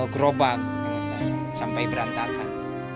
gerobak sampai berantakan